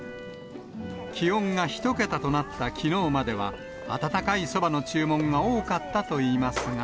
気温が１桁となったきのうまでは、温かいそばの注文が多かったといいますが。